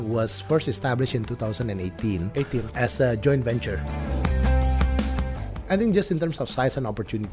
saya pikir dalam hal bagian ukuran dan kesempatan hari ini